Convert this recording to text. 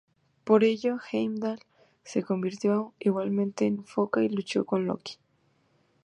Por ello, Heimdal se convirtió igualmente en foca y luchó con Loki.